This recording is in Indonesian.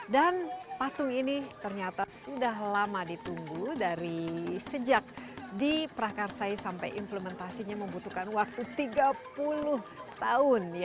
dan patung ini ternyata sudah lama ditunggu dari sejak di prakarsai sampai implementasinya membutuhkan waktu tiga puluh tahun